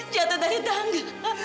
jatuh dari tangga